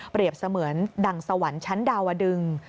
เปรียบเสมือนดังสวรรค์ชั้นดาวดึง